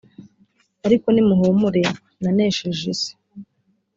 ariko nimuhumure nanesheje isi